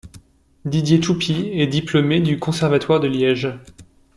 Didier Toupy est diplômé du Conservatoire de Liège.